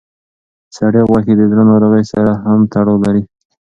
سرې غوښې د زړه ناروغۍ سره هم تړاو لري.